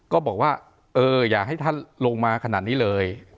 ก็บอกว่าเอออย่าให้ท่านลงมาขนาดนี้เลย